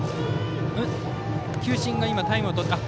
球審がタイムをとったか。